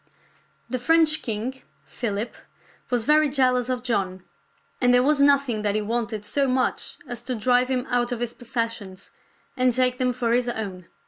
The French king, Philip, was very jealous of John, and there was nothing that he wanted so much as to drive him out of his possessions and take them for his own.